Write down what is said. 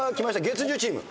月１０チーム。